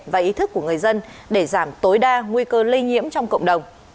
và ý thức của người dân để giảm tối đa nguy cơ lây nhiễm trong cộng đồng